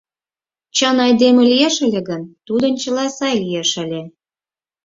Чын айдеме лиеш ыле гын, тудын чыла сай лиеш ыле.